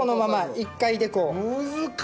一回でこう。